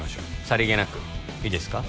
さりげなくいいですか？